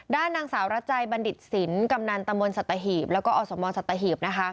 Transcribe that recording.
ด้านนางสาวรัชัยบัณฑิตศิลป์กำนันตมสัตหีบแล้วก็อสมสัตหีบ